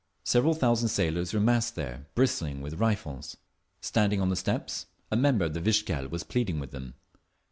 Several thousand sailors were massed there, bristling with rifles. Standing on the steps, a member of the Vikzhel was pleading with them.